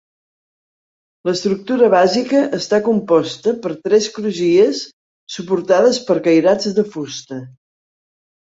L'estructura bàsica està composta per tres crugies suportades per cairats de fusta.